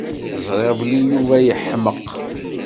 Ẓriɣ belli Yuba yeḥmeq.